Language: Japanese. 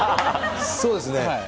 そうですね。